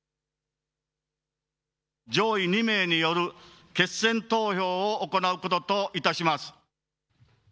上位２名による決選投票を行うことといたします。